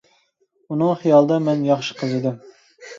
ئۇنىڭ خىيالدا مەن ياخشى قىز ئىدىم.